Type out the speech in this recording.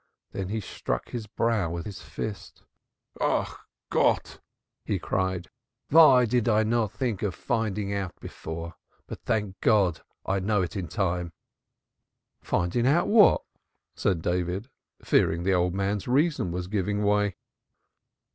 Then he struck his brow with his fist. "Ach, Gott!" he cried. "Why did I not think of finding out before? But thank God I know it in time." "Finding out what?" said David, fearing the old man's reason was giving way.